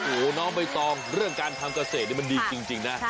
โอ้โหน้องใบตองเรื่องการทำเกษตรนี่มันดีจริงนะ